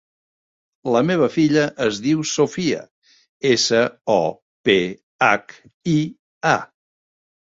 La meva filla es diu Sophia: essa, o, pe, hac, i, a.